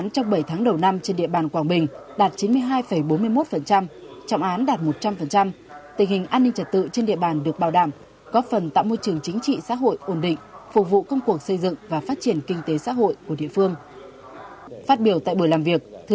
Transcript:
trong bảy tháng đầu năm công an quảng bình đã triển khai thực hiện các biện pháp nghiệp vụ phối hợp giải quyết có hiệu quả các vụ việc phức tạp về an ninh trật tự